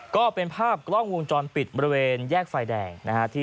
ก็เป็นภาพกล้องวงจรปิดบริเวณแยกไฟแดงนะฮะ